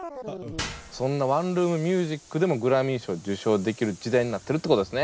そんなワンルーム☆ミュージックでもグラミー賞を受賞できる時代になってるってことですね。